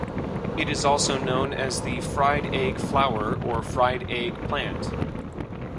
It is also known as the "fried egg flower" or "fried egg plant".